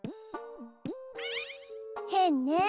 へんね